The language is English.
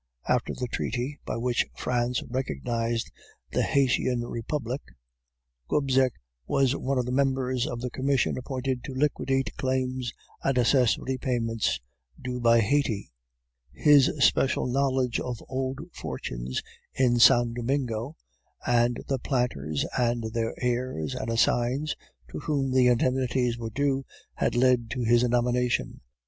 "After the treaty, by which France recognized the Haytian Republic, Gobseck was one of the members of the commission appointed to liquidate claims and assess repayments due by Hayti; his special knowledge of old fortunes in San Domingo, and the planters and their heirs and assigns to whom the indemnities were due, had led to his nomination.